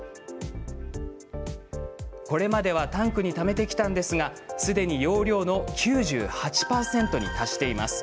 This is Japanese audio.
これまではタンクにためてきたんですがすでに容量の９８％に達しています。